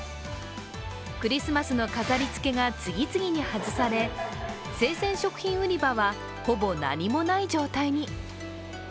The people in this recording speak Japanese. クリスマスの飾りつけが次々に外され生鮮食品売り場はほぼ何もない状態に。